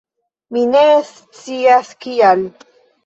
Mi ne scias kial